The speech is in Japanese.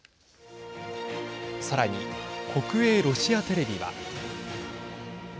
さらに、国営ロシアテレビは。